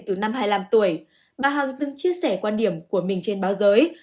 từ năm hai mươi năm tuổi bà hằng từng chia sẻ quan điểm của mình trên báo giới